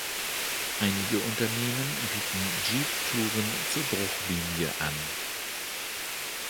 Einige Unternehmen bieten Jeep-Touren zur Bruchlinie an.